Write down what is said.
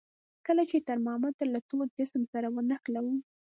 کله چې ترمامتر له تود جسم سره ونښلولو.